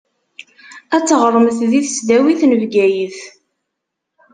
Ad teɣṛemt di tesdawit n Bgayet.